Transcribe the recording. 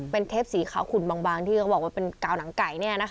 เป็นเทปสีขาวขุนบางที่เขาบอกว่าเป็นกาวหนังไก่